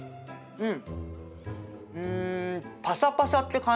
うん。